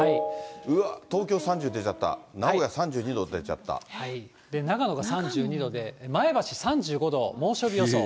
うわっ、東京３０出ちゃった、名長野が３２度で、前橋３５度、猛暑日予想。